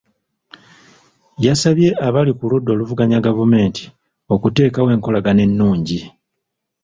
Yasabye abali ku ludda oluvuganya gavumenti, okuteekawo enkolagana ennungi.